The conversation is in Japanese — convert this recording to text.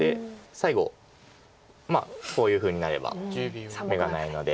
最後こういうふうになれば眼がないので。